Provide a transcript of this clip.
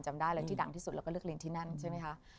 จำได้เลยที่ดังที่สุดแล้วก็เลือกเรียนที่นั่นใช่ไหมคะ